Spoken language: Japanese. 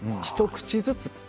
一口ずつ。